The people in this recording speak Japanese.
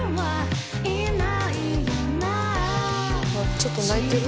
ちょっと泣いてる？